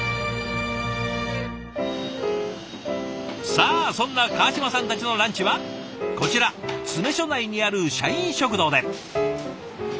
さあそんな川島さんたちのランチはこちら詰め所内にある社員食堂で。